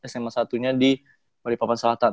sma satu nya di balikpapan selatan